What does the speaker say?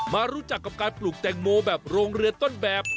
รู้จักกับการปลูกแตงโมแบบโรงเรือนต้นแบบ